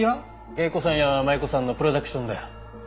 芸妓さんや舞妓さんのプロダクションだよ。